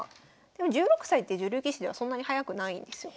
でも１６歳って女流棋士ではそんなに早くないんですよ。